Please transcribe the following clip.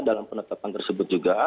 dalam penetapan tersebut juga